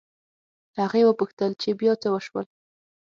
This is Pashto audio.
هغې وپوښتل چې بيا څه وشول